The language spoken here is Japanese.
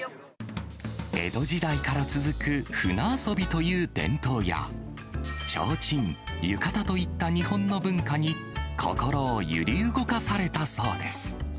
江戸時代から続く舟遊びという伝統や、ちょうちん、浴衣といった日本の文化に心を揺れ動かされたそうです。